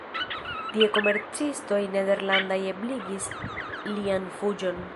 Tie komercistoj nederlandaj ebligis lian fuĝon.